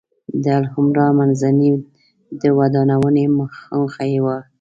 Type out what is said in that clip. د الحمرأ منځۍ د ودانونې موخه یې وه.